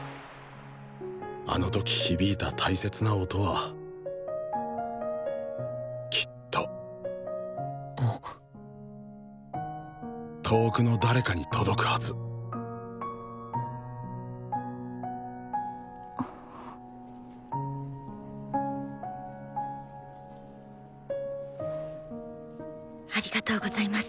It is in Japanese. あの時響いた大切な音はきっと遠くの誰かに届くはずありがとうございます。